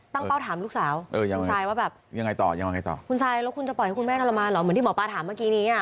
ตั้งเป้าถามลูกสาวคุณซายว่าแบบคุณซายแล้วคุณจะปล่อยให้คุณแม่ทรมานเหรอเหมือนที่หมอปลาถามเมื่อกี้นี้